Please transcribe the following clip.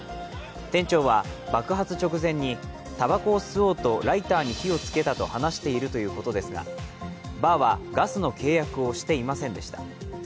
店長は爆発直前にたばこを吸おうとライターに火をつけたと話しているということですがバーはガスの契約をしていませんでした。